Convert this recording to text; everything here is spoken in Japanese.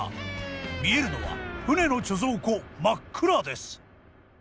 見えるのは船の貯蔵庫真っ暗です。